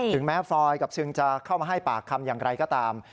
แม้ฟรอยกับซึงจะเข้ามาให้ปากคำอย่างไรก็ตาม